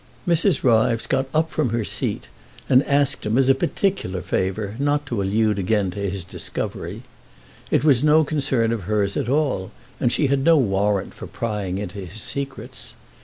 Mrs. Ryves got up from her scat and asked him, as a particular favour, not to allude again to his discovery. It was no concern of hers at all, and she had no warrant for prying into his secrets.